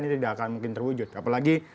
ini tidak akan mungkin terwujud apalagi